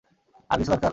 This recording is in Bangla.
আর কিছু দরকার?